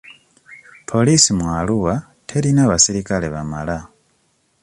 Poliisi mu Arua terina basirikale bamala.